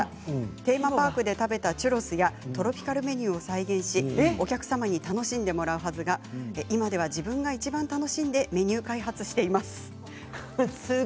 テーマパークで食べたチュロスやソフトクリームを再現しお客様に楽しんでいただくのが今は自分がいちばん楽しんでメニュー開発をしています。